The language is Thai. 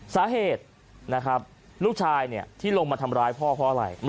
สาเหตุนะครับลูกชายที่ลงมาทำร้ายพ่อเพราะอะไร